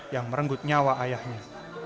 yang merenggut nyawa ayahnya